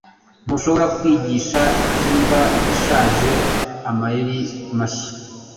Ntushobora kwigisha imbwa ishaje amayeri mashya